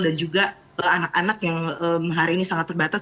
dan juga anak anak yang hari ini sangat terbatas